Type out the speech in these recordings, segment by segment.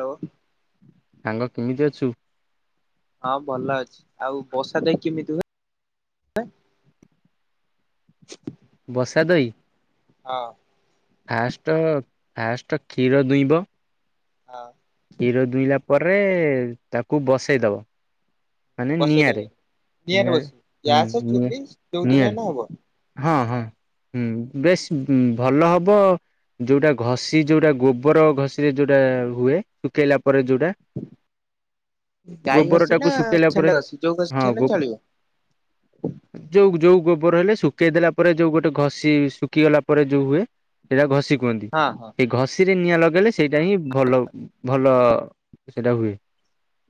ଲୋ ସାଙ୍ଗ କେମିତି ଅଛୁ? ହଁ ଭଲ ଅଛି, ଆଉ ବସା ଦହି କେମିତି ହୁଏ? ବସା ଦଇ? ହଁ। ଫାଷ୍ଟ ଫାଷ୍ଟ କ୍ଷୀର ଦୁଇଁବ ହଁ କ୍ଷୀର ଦୁଇଁଲା ପରେ ତାକୁ ବସେଇଦବ ମାନେ ନିଆଁରେ ବସେଇଦବେ, ନିଆଁରେ ବସିବି, ହୁଁ ଗ୍ୟାସ୍ ନିଆଁ ଚୁଲି ଯୋଉଥିରେ ନିଆଁରେ ହେନେ ହବ। ହଁ, ହଁ, ହୁଁ, ବେଶି ଉଁ, ଭଲ ହବ ଯୋଉଟା ଘଷି ଯୋଉଟା ଗୋବର ଘଷି ରେ ଯୋଉଟା ହୁଏ ଶୁଖେଇଲା ପରେ ଯୋଉଟା। ଗାଈ ଗୋବର ଘଷି ଟାକୁ ନା ଶୁଖେଇଲା ପରେ ଷେଣ୍ଡ ଘଷି ଯୋଉ ହଁ ଘଷି ଗୋ ହେନେ ଚଳିବ? ଯୋଉ ଯୋଉ ଗୋବର ହେଲେ ଶ କେଇ ଦେଲା ପରେ ଯୋଉ ଗୋଟେ ଘଷି ଶୁଖି ଗଲା ପରେ ଯୋଉ ହୁଏ ସେଇଟା ଘଷି କୁହନ୍ତି। ହଁ ହଁ ସେଇ ଘଷ ଷିରେ ନିଆଁ ଲଗେଇଲେ ସେଇଟା ହିଁ ଭଲ ଭ ଭଲ ସେଇଟା ହୁଏ,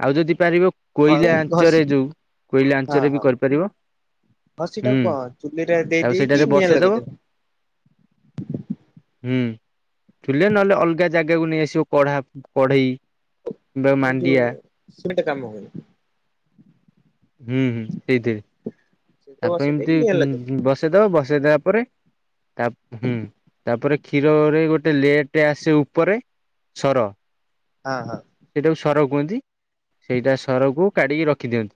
ଆଉ ଯଦି ପାରିବ ଘରେ କୋଇଲା ଆଞ୍ଚରେ ଘଷି ଯୋଉ କୋଇଲା ହଁ ଆଞ୍ଚରେ ବି ହଁ କରିପାରିବ ହୁଁ,। ଚୁଲି ରେ ଦେଇ ଆଉ ଦେଇକି ସେଇଟାରେ ନିଆଁ ବସେଇଦବ ଲଗେଇଦବେ। ହୁଁ ଚୁଲେ ନହେଲେ ଅଲଗା ଜାଗାକୁ ନେଇଆସିବ କଢା କଢେଇ କିମ୍ବା ଆମର ମାଣ୍ଡିଆ ଯୋଉ [unintelligible] କାମ ହୁଏନି ହୁଁ, ହୁଁ, ସେଇଥିରେ ସେଥିରେ ତାପ ବସେଇ ଦେଇକି ଏମତି ନିଆଁ ଲଗେଇବେ। ଉଁ, ବସ ସେଦବ, ବସେଇଦେଲା ପରେ ତା ହୁଁ, ତାପରେ କ୍ଷୀରରେ ଗୋଟେ ଲେୟାର୍ ଟେ ଆସେ ଉପରେ ସର ହଁ, ହଁ। ସେଇଟାକୁ ସର କୁହନ୍ତି, ସେଇଟା ସରକୁ କାଢିକି ରଖିଦିଅନ୍ତି,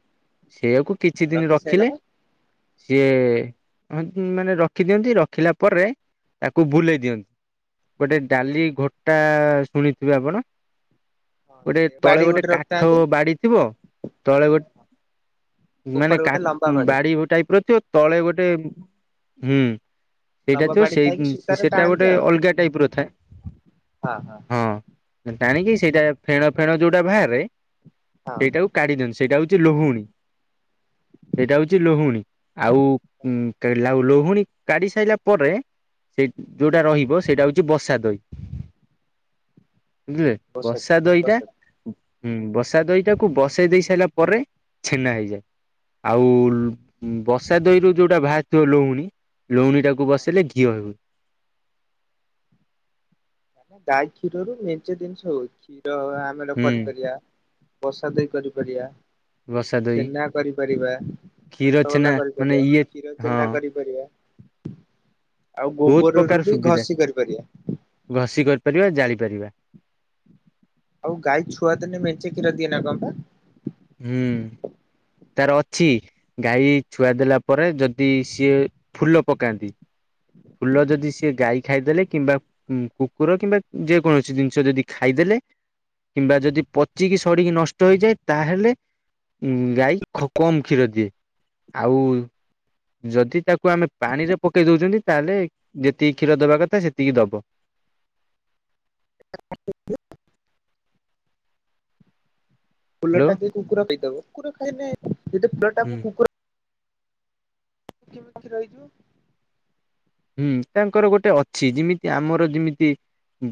ସେଇଆକୁ ହଁ କିଛି ଦିନ ରଖି ସାଇଲା ରଖିଲେ ପରେ ସିଏ [unintelligible] ମାନେ ରଖିଦିଅନ୍ତି, ରଖିଲା ପରେ ତାକୁ ବୁଲେଇ ଦିଅନ୍ତି, ଗୋଟେ ଡାଲି ଘୋଟା ଶୁଣିଥିବେ ଆପଣ? ହଁ ଗୋଟେ ସେ ତଳେ ବାଡି ଗୋଟେ କାଠ ରଖିଥାନ୍ତି ବାଡି ଥିବ ତଳେ ଗୋ ମାନେ ଉପରେ କା- ଗୋଟେ ଲମ୍ବା ଉଁ, ବାଡି ଗୋଟାଏ ପଡିଥିବ ତଳେ ଗୋଟେ ହୁଁ, ସେଇଟା ଲମ୍ବା ଥିବ, ବାଡି ସେଇ ଥାଇକି ଉଁ, ସୂତାରେ ସେଟା ଟାଣନ୍ତି ଗୋଟେ ଆଉ। ଅଲଗା ଟାଇପ୍ ର ଥାଏ ହଁ ହଁ। ହଁ। ଟାଣିକି ସେଇଟା ଫେଣ ଫେଣ ଯୋଉଟା ବାହାରେ ହଁ ସେଇଟାକୁ କାଢି ଦିଅନ୍ତି ସେଇଟା ହଉଛି ଲହୁଣୀ, ସେଇଟା ହଉଛି ଲହୁଣୀ। ଆଉ ଉଁ, କେଲା ଆଉ ଲହୁଣୀ କାଢି ସାଇଲା ପରେ ସେଇ ଯୋଉଟା ରହିବ ସେଇଟା ହଉଚୁ ବସା ଦଇ। ବୁଝିଲେ? ବସନ୍ତୁ ସା ଦଇଟା, ବସନ୍ତୁ। ଉ, ଉଁ, ବସା ଦଇଟାକୁ ବସେଇ ଦେଇ ସାଇଲା ପରେ ଛେନା ହେଇଯାଏ। ଆଉ ଉଁ, ବସା ଦଇରୁ ଯୋଉଟା ଭାରିଥିବ ଲହୁଣୀ ଲୁଣୀଟାକୁ ବସେଇଲେ ଘିଅ ହେଉ। ଆମ ଗାଈ କ୍ଷୀରରୁ ମେଞ୍ଚେ ଦିନିଷ ହୁଏ, କ୍ଷୀର ଆମର କରିପାରିବା। ବସା ଦଇ କରିପାରିବା, ବସା ଦହି ଛେନା କରିପାରିବା। କ୍ଷୀର ଛେନା ରସଗୋଲା ମାନେ କରିପାରିବା, ଇଏ କ୍ଷୀର ହଁ ଚେନା କରିପାରିବା। ଆଉ ବହୁତ ପ୍ରକାର ଗୋବରରୁ ବି ସୁବିଧା ଘଷି କରିପାରିବା। ଘଷି କରିପାରିବା ଜାଳି ପାରିବା। ଆଉ ଗାଈ ଛୁଆ ଦେନେ ମେଞ୍ଚେ କ୍ଷୀର ଦିଏ ନା କଣ ପା? ହୁଁ ତାର ଅଛି। ଗାଈ ଛୁଆ ଦେଲା ପରେ ଯଦି ସିଏ ଫୁଲ ପକାନ୍ତି। ଫୁଲ ଯଦି ସିଏ ଗାଈ ଖାଇଦେଲେ କିମ୍ବା କୁକୁର କିମ୍ବା ଯେ କୌଣସି ଜିନିଷ ଯଦି ଖାଇଦେଲେ କିମ୍ବା ଯଦି ପଚିକି ସଡ଼ିକି ନଷ୍ଟ ହେଇଯାଏ ତାହେଲେ ଉମ ଗାଈ ଖ କମ୍ କ୍ଷୀର ଦିଏ ଆଉ ଯଦି ତାକୁ ଆମେ ପାଣି ରେ ପକେଇ ଦଉଚନ୍ତି ତାହେଲେ ଯେତିକି କ୍ଷୀର ଦବା କଥା ସେତିକି ଦବ। [unintelligible] ଫୁଲ ହ୍ୟାଲୋ ଟାକୁ କୁକୁର ଖାଇଦବ କୁକୁର ଖାଇନେ ଯଦି ହୁଁ ଫୁଲଟାକୁ କୁକୁର କେମିତି ରହିଯିବ? ହୁଁ ତାଙ୍କର ଗୋଟେ ଅଛି ଯେମିତି ଆମର ଯେମିତି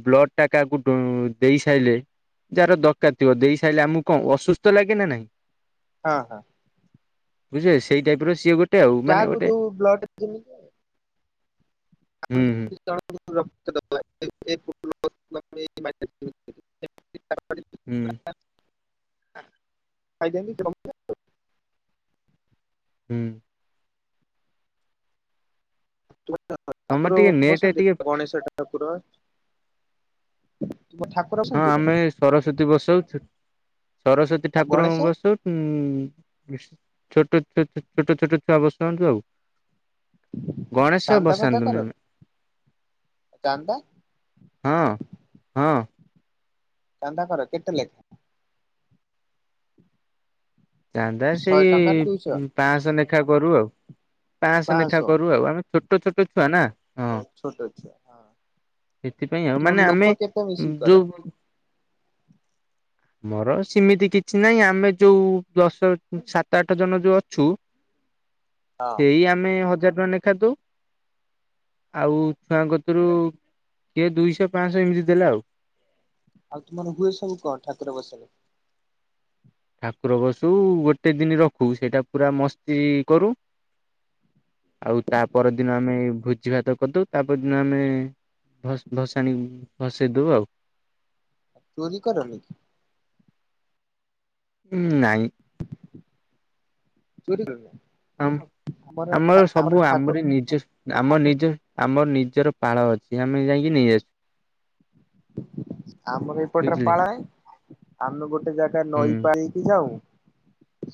ବ୍ଲଡ଼ ଟା କାହାକୁ ଡ଼ୁ ଦେଇ ସାଇଲେ ଯାହାର ଦରକାର ଥିବ ଦେଇ ସାଇଲେ ଆମକୁ କଣ ଅସୁସ୍ଥ ଲାଗେ ନା ନାଇଁ? ହଁ ହଁ। ବୁଝିପାଇ ସେଇ ଟାଇପ ର ସିଏ ଗୋ ଯାହାକୁ ଯୋଉ ବ୍ଲଡ଼ ଦିଅନ୍ତି। ହୁଁ ହୁଁ। [unintelligible] [unintelligible] ହୁଁ ଖାଇଦିଅନ୍ତି ହୁଁ। [unintelligible] ତମେ ଠାକୁର ଟିକେ ନେଟ ବସନ୍ତି ଟିକେ ଗଣେଶ ଠାକୁ ଠାକୁର ଠାକ୍ ହଁ ଆମେ ସରସ୍ଵତୀ ବସଉଚୁ, ସରସ୍ଵତୀ ଆଉ ଗଣେଶ ଠାକୁରଙ୍କୁ ବସଉ। ଉଁ ଛୋଟ ଛୋ ଛୋଟ ଛୋଟ ଛୁଆ ବସନ୍ତୁ ଆଉ। ଗଣେଶ ଚାନ୍ଦା ଫାନ୍ଦା ବସାନ୍ତୁନି କର ଆମେ। ଚାନ୍ଦା ହଁ ହଁ। ଚାନ୍ଦା କର କେତେ ଲେ? ଚାନ୍ଦା ଶହେ ସେଇ ଟଙ୍କା ନା ଦୁଇଶହ ପାଁ ଶହ ନେଖା କରୁ ଆଉ। ପାଁଶହ ନେଖା କରୁ ଆଉ ଆମେ ଛୋଟ ଛୋଟ ଛୁଆ ନା ହଁ। ହଉ ଛୋଟ ଛୁଆ ହଁ। ସେଥିପାଇଁ ଆଉ ତୁମର ମାନେ ଆମେ ଲୋକ କେତେ ମିଶିକି କର ଯୋଉ ମୋର ସେମିତି କିଛି ନାହିଁ ଆମେ ଯୋଉ ଦଶ ସାତ ଆଠ ଜଣ ଯୋଉ ଅଛୁ ହଁ ସେଇ ଆମେ ହଜାର ଟଙ୍କା ନେଖା ଦଉ। ଆଉ ଛୁଆଙ୍କ କତୁରୁ କିଏ ଦୁଇଶହ ପାଁଶହ ଏମିତି ଦେଲା ଆଉ। ଆଉ ତୁମର ହୁଏ ସବୁ କଣ ଠାକୁର ବସାରେ? ଠାକୁର ବସଉ ଗୋଟେ ଦିନି ରଖୁ ସେଇଟା ପୁରା ମସ୍ତି କରୁ। ଆଉ ତା ପର ଦିନ ଆମେ ଭୋଜି ଭାତ କରିଦଉ, ତାପର ଦିନ ଆମେ ଭସ ଭସାଣି ଭସେଇ ଦଉ ଆଉ। ଭୋଜି କରନି କି? ଉଁ ନାଇଁ। ଚୋରିଗଲା ଆମ ଆମର ସବୁ ଠାକୁର ଆମରି ନିଜ ଆମ ନିଜ, ଆମ ନିଜର ପାଳ ଅଛି। ଆମେ ଯାଇକି ନେଇ ଆସୁ। ଆମର ଏଇପଟରେ ବୁଝିଲେ ପାଳ ନାହିଁ, ଆମେ ଗୋଟେ ଜାଗା ହୁଁ ନଈ ପାଣି ଯାଉଁ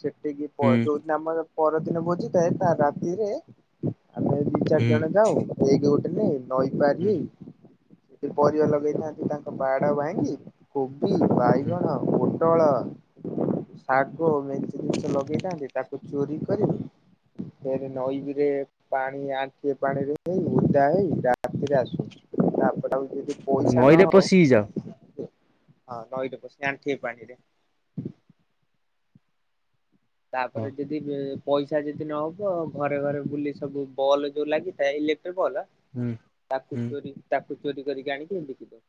ସେଠିକି ପ ହୁଁ ଯୋ ଆମର ପରଦିନ ଭୋଜି ଥାଏ ତା ରାତିରେ ଆମେ ଦି ଚାରି ହୁଁ ଜଣ ଯାଉଁ ବେକ୍ ଗୋଟେ ନେ ନଈ ପାରି ହୁଁ ହେଇ ସେ ପରିବା ଲଗେଇଥାନ୍ତି ତା ବାଡ଼ ଭାଙ୍ଗି କୋବି, ହୁଁ ବାଇଗଣ, ପୋଟଳ ଶାଗ ମେଞ୍ଚେ ଜିନିଷ ଲଗେଇଥାନ୍ତି ତାକୁ ଚୋରି କରି ଫେରେ ନଈ ବିରେ ପାଣି ଆଣ୍ଠୁଏ ପାଣିରେ ହେଇ ଓଦା ହେଇ ରାତିରେ ଆସୁ ତାପରେ ଆଉ କିଏ ଦେ ନଈରେ ପଶିକି ଯାଅ? ହଁ ନଈ ରେ ପଶିକି ଆଣ୍ଠିଏ ପାଣିରେ। ହଁ ତାପରେ ଯଦି ବେ ପଇସା ଯଦି ନହବ ଘରେ ଘରେ ବୁଲି ସବୁ ବଲ୍ ଯୋଉ ଲାଗିଥାଏ ଇଲେକ୍ଟ୍ରି ବଲ୍ ହୁଁ ତାକୁ ହୁଁ ଚୋରି ତାକୁ ଚୋରି କରିକି ଆଣିିକି ବିକିଦୋଉ।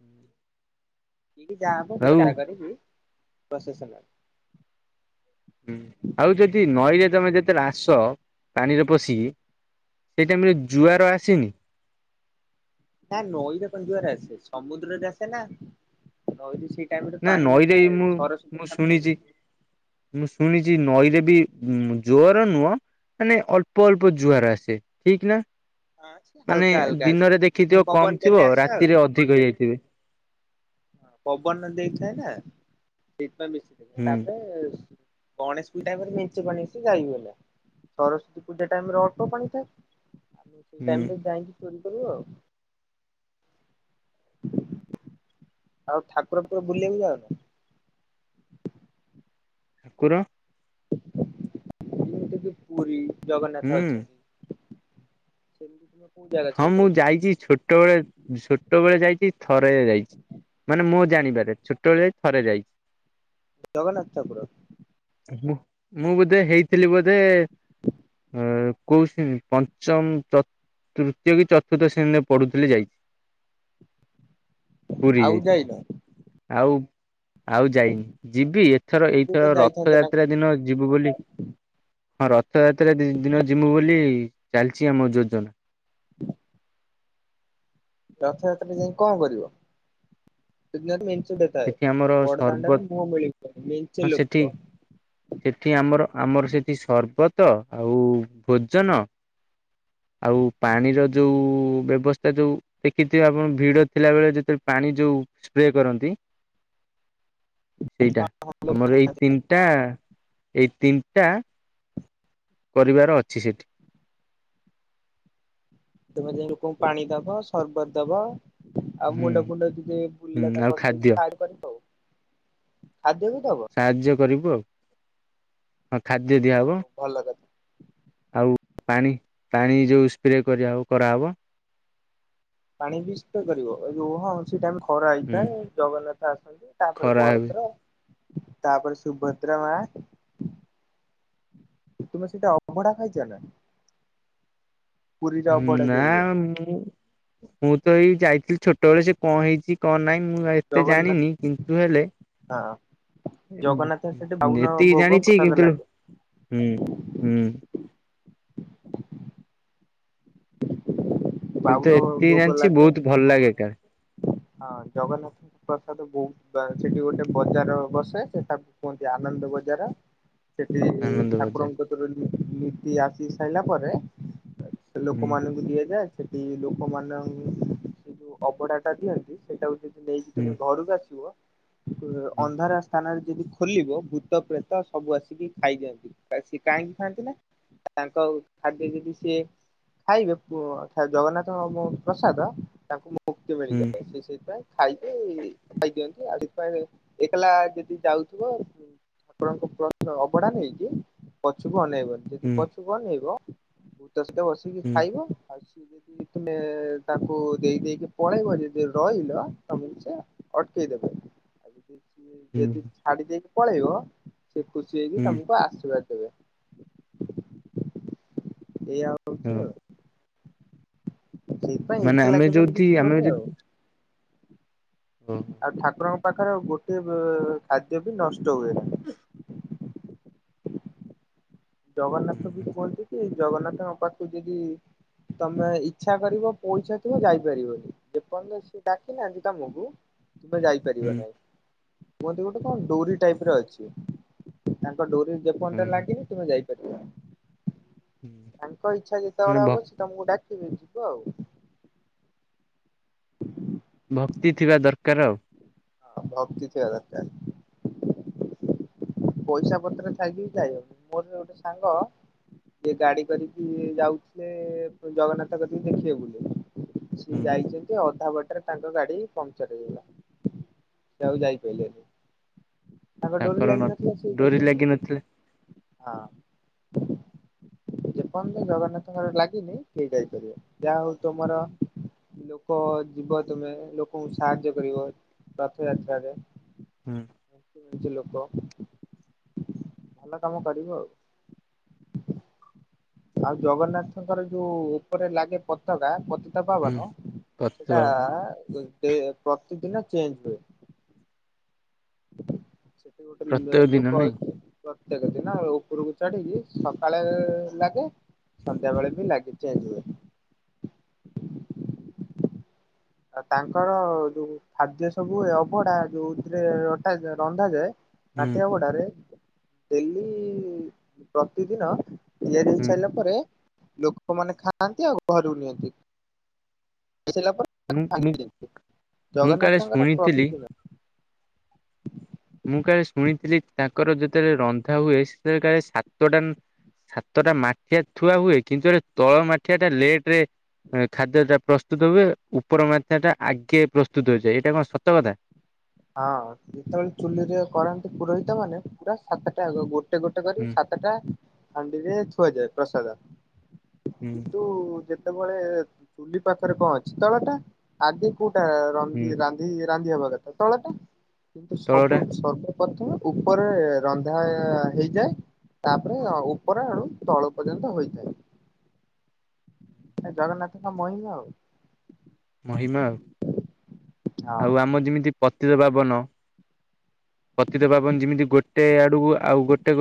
ହୁଁ କି ଯାହା ହବ ଚେଷ୍ଟା କରିବି [unintelligible] ହୁଁ ଆଉ ଯଦି ନଈରେ ତମେ ଯେତେବେଳେ ଆସ ପାଣିରେ ପଶିକି ସେଇ ଟାଇମି ରେ ଜୁଆର ଆସିନି? ନା ନଈରେ କଣ ଜୁଆର ଆସେ ସମୁଦ୍ରରେ ଆସେ ନା। ନଈରେ ସେଇ ଟାଇମ୍ ରେ ପାଣି ନଥାଏ ସରସ୍ଵତୀ ଠାକୁର ସୁଣିଚି ମୁଁ ଶୁଣିଚି ନଈରେ ବି ଜୋର ନୁହଁ ମାନେ ଅଳ୍ପ ଅଳ୍ପ ଜୁଆର ଆସେ ଠିକ୍ ନା? ହଁ ସେ ମାନେ ହାଲକା ହାଲକା ଆସେ ଦିନରେ ଦେଖିଥିବ ପବନ କମ୍ ଦେଲେ ଥିବ ଆସେ ଆଉ ରାତିରେ ଅଧିକ ହେଇଯାଇଥିବେ। ହଁ ପବନ ଦେଇଥାଏ ନା ସେଥିପାଇଁ ମିଶି [unintelligible] ହୁଁ ତାପରେ ଗଣେଶ ପୂଜା ଟାଇମ୍ ରେ ମେଞ୍ଚେ ପାଣି ଆସେ ଯାଇ ହୁଏନା ସରସ୍ଵତୀ ପୂଜା ଟାଇମ୍ ରେ ଅଳ୍ପ ପାଣି ଥାଏ। ଆମେ ସେଇ ହୁଁ ଟାଇମ୍ ରେ ଯାଇକି ଚୋରି କରୁ ଆଉ। ଆଉ ଠାକୁର [unintelligible] ବୁଲିବାକୁ ଯାଉନ। କୁର ଏ ଟିକେ ପୁରୀ ଜଗନ୍ନାଥ ହୁଁ ଅଛନ୍ତି ସେମିତି ଯିବ ହଁ ମୁଁ ଯାଇଚି ଛୋଟବେଳେ, ଛୋଟବେଳେ ଯାଇଚି ଥରେ ଯାଇଚି। ମାନେ ମୋ ଜାଣିିବାରେ ଛୋଟବେଳେ ଯାଇଚି ଥରେ ଯାଇଚି। ଜଗନ୍ନାଥ ଠାକୁର। ମୁଁ ମୁଁ ବୋଧେ ହେଇଥିଲି ବୋଧେ ଅ କୋଉ ଶ୍ରେଣୀ ପଞ୍ଚମ, ଚତୁ, ତ୍ରୁ ୟ କି ଚତର୍ଥ ଶ୍ରେଣୀରେ ପଢ଼ୁଥିଲି ଯାଇଚି। ପୁରୀ ଆଉ ଯାଇଥିଲି ଯାଇନ ଆଉ ଆଉ ଯାଇନି ଯିବି ଏଥର ତୁମେ ଏବେ ଏଇଥର ତ ଯାଇଥାନ୍ତ ନା ରଥଯାତ୍ରା ଦିନ ଯିବୁ ବୋଲି ହଁ ରଥଯାତ୍ରା ଦି ଦିନ ଯିବୁ ବୋଲି ଚାଲିଚି ଆମ ଯୋଜନା। ରଥଯାତ୍ରା ଯାଇ କଣ କରିବ [unintelligible] ଥାଏ ସେଠି ଆମର ସର୍ବତ ବଡଦାଣ୍ଡରେ ମୁଁ ମିଳି ହଁ ମେଞ୍ଚେ ସେଠି ଲୋକ ସେଠି ଆମର ଆମର ସେଠି ସର୍ବତ ଆଉ ଭୋଜନ ଆଉ ପାଣିର ଯୋଉଁ ବ୍ୟବସ୍ଥା ଯୋଉ ଦେଖିଥିବେ ଆପଣ ଭିଡ଼ିଓ ଥିଲା ବେଳେ ଯେତେବେଳେ ପାଣି ଯୋଉ ସ୍ପ୍ରେ କରନ୍ତି। ଏଇଟା ଆମର ଏଇ ତିନଟା ଏଇ ତିନଟା ପରିବାର ଅଛି ସେ ତମେ ଯାଇ ଲୋକଙ୍କୁ ପାଣି ଦବ ସର୍ବତ୍ ଦବ। ଆଉ ହୁଁ ମୁଣ୍ଡ ଫୁଣ୍ଡ ଟିକେ ହୁଁ ବୁଲିଲା ଟା ଆଉ ବସେଇକି ଖାଦ୍ୟ ସଡ କରିବ ଆଉ। ଖାଦ୍ୟ ବି ଦବ? ସାହାଯ୍ୟ କରିବୁ ଆଉ ହଁ ଖାଦ୍ୟ ଯାହା ଦିଆହେବ। ହଉ ଭଲ କଥା ଆଉ ପାଣି ପାଣି ଯୋଉ ସ୍ପ୍ରେ କରିବ କରାହେବ ପାଣି ବି ସ୍ଫେ କରିବ ଯୋଉ ହଁ ସେ ଟାଇ ଖରା ହୁଁ ହେଇଥାଏ ଜଗନ୍ନାଥ ଆସନ୍ତି ତାପରେ ଖରା ହେବେ ବଳଦ୍ର ତାପରେ ସୁଭଦ୍ରା ମା ତୁମେ ସେଏତା ଅବଢା ଖାଇଚ ନା? ପୁରୀରେ ଅବଢା ଯୋଉ ନା ହୁଏ ମୁଁ ମୁଁ ତ ଏଇ ଯାଇଥିଲି ଛୋଟବେେଳେ ସେ କଣ ହେଇଚି କଣ ନାହିଁ ମୁଁ ଯାଇ ମୁଁ ତ ଜଗନ୍ନାଥ ଜାଣିନି କିନ୍ତୁ ହେଲେ ହଁ ଜଗନ୍ନାଥ ସେଠି ବାଉନ ଏତିକି ଭୋଗ ଜାଣିଚି ପ୍ରସାଦ କିନ୍ତୁ ଲାଗେ ହୁଁ ହୁଁ। ବାଉନ କିନ୍ତୁ ଏତିକି ଭୋଗ ଜାଣିଚି ଲାଗେ ବୋହୁତ ଭଲ ଲାଗେ କାଳେ। ହଁ ଜଗନ୍ନାଥ ପ୍ରସାଦ ବୋହୁତ ଦାମେ ସେଠି ଗୋଟେ ବଜାର ବସେ ସେଟା କୁହନ୍ତି ଆନନ୍ଦ ବଜାର ସେଠି ଆନନ୍ଦ ବଜାର ଠାକୁରଙ୍କ କତିରୋ ନୀତି ଆସି ସାଇଲା ପରେ ସେ ହୁଁ ଲୋକମାନଙ୍କୁ ଦିଆଯାଏ ସେଠି ଲୋକମାନ ସେ ଯୋଉ ଅବଡା ଟା ଦିଅନ୍ତି ସେଟାକୁ ଯଦି ନେଇକି ହୁଁ ତୁମେ ଘରକୁ ଆସିବ ହୁଁ ଅନ୍ଧାର ସ୍ଥାନରେ ଯଦି ଖି ଖୋଲିବ ଭୂତ ପ୍ରେତ ସବୁ ଆସିକି ଖାଇ ଯାଆନ୍ତି କା ସିଏ କାହିଁକି ଖାଆନ୍ତି ନା ଆ ତାଙ୍କ ଖାଦ୍ୟ ଯଦି ସିଏ ଖାଇବେ ପୁ ଜଗନ୍ନାଥଙ୍କ ପ୍ରସାଦ ତାଙ୍କୁ ମୁକ୍ତି ହୁଁ ମିଳିଯାଏ ସେଇ ସେଇଥିପାଇଁ ଖାଇକି ଖାଇଦିଅନ୍ତି ଆଉ ସେଥିପାଇଁ ଏକେଲା ଯଦି ଯାଉଥିବ ଆପଣଙ୍କ ପ୍ରତ୍ୟ ଅବଢା ନେଇକି ପଛକୁ ଅନେଇବନି। ଯଦି ହୁଁ ପଛୁ ଅନେଇବ ଭୂତସ୍ତ ବସିକି ହୁଁ ଖାଇବ ଆଉ ଯଦି ତୁମେ ତାକୁ ଦେଇ ଦେଇକି ପଳେଇବ ଯଦି ରହିଲ ତମକୁ ସେ ଅଟକେଇଦବେ ଆଉ ଯଦି ଯିଏ ହୁଁ ଯଦି ଛାଡି ଦେଇକି ପଳେଇବ ସେ ଖୁସି ହେଇକି ହୁଁ ତମକୁ ଆଶୀର୍ବାଦ ଦେବେ। ଏଇଆଉ। ହଁ। ସେଇଥି ପାଇଁ ମାନେ ଏକେଲା ଆମେ କେବେ ହେଟିକି ଯୋଉଠି ଆମେ ଯିବନି ଆଉ। ଯଦି ଓହୋ ଆଉ ଠାକୁରଙ୍କ ପାଖରେ ଗୋଟେ ଖାଦ୍ୟ ବି ନଷ୍ଟ ହୁଏ ନାହିଁ। ଜଗନ୍ନାଥ ବି ହୁଁ କହିଛି କି ଜଗନ୍ନାଥଙ୍କ ପାଖୁକୁ ଯଦି ତମେ ଇଛା କରିବ ପଇସା ଥିବ ଯାଇପାରିବନି ଯେପର୍ଯ୍ୟନ୍ତ ସେ ତୁ ଡ଼ାକି ନାହାନ୍ତି ତମକୁ ତୁମେ ଯାଇ ପାରିବ ହୁଁ ନାଇ କୁହନ୍ତି ଗୋଟେ ଙ୍କ ଡୋରି ଟାଇପରେ ଅଛି ତାଙ୍କ ଡୋରି ଯେପର୍ଯ୍ୟନ୍ତ ହୁଁ ଲାଗିନି ତୁମେ ଯାଇପାରିବ ନାହିଁ ତାଙ୍କ ଇଛା ମାନେ ଯେତେବେଳେ ହବ ସେ ତମକୁ ଡାକିବି ଯିବ ଆଉ। ଭକ୍ତି ଥିବା ଦରକାର ଆଉ। ହଁ ଭକ୍ତି ଥିବା ଦରକାର। ପଇସା ପତ୍ର ଥାଇକି ବି ଯାଇ ହବନି ମୋର ଗୋଟେ ସାଙ୍ଗ ସେ ଗାଡି କରିକି ଯାଉଥିଲେ ଜଗନ୍ନାଥ କତିକି ଦେଖିବେ ବୁଲି। ସିଏ ହୁଁ ଯାଇଚନ୍ତିଯେ ଅଧା ବାଟରେ ତାଙ୍କ ଗାଡ଼ି ପଂଚର ହେଇଗଲା। ସିଏ ଆଉ ଯାଉପାଇଲେନି। ତାଙ୍କର ନଥ୍ ଡୋରି ଲାଗି ନଥିଲା। ହଁ। ଯେପନ୍ତ ଜଗନ୍ନାଥଙ୍କର ଲାଗିନି କେଇ ଯାଇପାରିବେନି ଯାହା ହଉ ତମର ଲୋକ ଯିବ ତୁମେ ଲୋକଙ୍କୁ ସାହାଯ୍ୟ କରିବ ରଥଯାତ୍ରରେ ହୁଁ। କିଛି ଲୋକ ଭଲ କାମ କରିବୁ ଆଉ। ଆଉ ଜଗନ୍ନାଥଙ୍କର ଯୋଉ ଉପରେ ଲାଗେ ପ ପତକା ପତିତ ହୁଁ ପାବନ ସେଟା ପତିତପାବନ ଡେ ପ୍ରତିଦିନ ଚେଞ୍ଜ ହୁଏ। କିଏ ଗୋଟେ ଲେ ପ୍ରତ୍ୟେକ ଦିନ ଲୋକ ନାଇଁ ଅଛି ପ୍ରତ୍ୟେକ ଦିନ ଉପରକୁ ଚଢିକି ସକାଳେ ଲାଗେ ସନ୍ଧ୍ୟା ବେଳେବି ଲାଗେ ଚେଞ୍ଜ ହୁଏ। ଆଉ ତାଙ୍କର ଯୋଉ ଖାଦ୍ୟ ସବୁ ଅବଢା ଯୋଉଥିରେ ରଟା ରନ୍ଧାଯାଏ ହୁଁ ଷାଠିଏ ଗୋଡ଼ାରେ ଡେଲି ପ୍ରତିଦିନ ତିଆରି ହେଇ ହୁଁ ସାରିଲା ପରେ ଲୋକମାନେ ଖାଆନ୍ତି ଆଉ ଘରୁକୁ ନିଅନ୍ତି। ଖାଇସାରିଲା ପରେ ମୁଁ ମୁଁ [unintelligible] ମୁଁ କାଳେ ଜଗନ୍ନାଥ ଙ୍କର ଶୁଣିଥିଲି ପ୍ରତିଦିନ। ମୁଁ କାଳେ ଶୁଣିଥିଲି ତାଙ୍କର ଯେତେବେଳେ ରନ୍ଧା ହୁଏ ସେତେବେଳେ କାଳେ ସାତଟା ସାତଟା ମାଠିଆ ଥୁଆ ହୁଏ କିନ୍ତୁ ଏଟା ତଳ ମାଠିଆଟା ଲେଟେର୍ ଏ ଖାଦ୍ୟଯା ପ୍ରସ୍ତୁତ ହୁଏ, ଉପର ମାଟିଆଟା ଆଗେ ପ୍ରସ୍ତୁତ ହେଇଯାଏ ଏଇଟା କଣ ସତ କଥା? ହଁ ଯେତେବେଳେ ଚୁଲିରେ କରନ୍ତି ପୁରୋହିତ ମାନେ ପୁରା ସାତଟାଆଙ୍କ ଗୋଟେ ଗୋଟେ କରି ହୁଁ ସାତ ତେଟା ହାଣ୍ଡିରେ ଥୁଆଯାଏ ପ୍ରସାଦ ହୁଁ କିନ୍ତୁ ଯେତେବେଳେ ଚୁଲି ପାଖରେ କଣ ଅଛି ତଳଟା ଆଗେ କୋଉଟା ହୁଁ ରନ୍ଧି ରାନ୍ଧି ରାନ୍ଧି ହବା କଥା ତଳଟା କିନ୍ତୁ ସବୁ ତଳଟା ସର୍ବ ପ୍ରଥମେ ଉପରେ ରନ୍ଧା ହେଇଯାଏ। ତାପରେ ଉପର ଆଡ଼ୁ ତଳ ପର୍ଯ୍ୟନ୍ତ ହୋଇଥାଏ। ଜଗନ୍ନାଥଙ୍କ ମହିମା ଆଉ। ମହିମା ଆଉ ହଁ। ଆଉ ଆମର ଯେମିତି ପତିତ ପାବନ ପତିତ ପାବନ ଯେମିତି ଗୋଟେ ଆଡ଼କୁ ଆଉ ଗୋଟେ